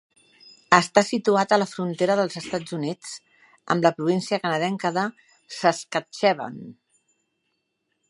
Està situat a la frontera dels Estats Units amb la província canadenca de Saskatchewan.